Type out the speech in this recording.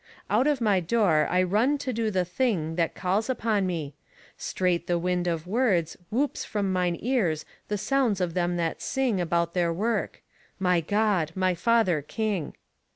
Out of my door I run to do the thing That calls upon me. Straight the wind of words Whoops from mine ears the sounds of them that sing About their work My God! my Father King.